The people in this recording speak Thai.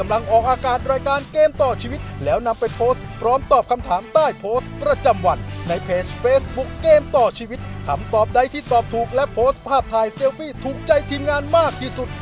และโพสต์ภาพถ่ายเซลฟี่ถูกใจทีมงานมากที่สุด